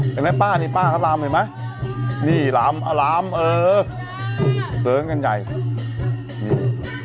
เห็นไหมป้านี่ป้าลำเห็นไหมนี่ลำลำเออเสื้องกันใหญ่